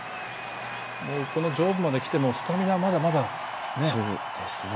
上部まできてもスタミナがまだまだね。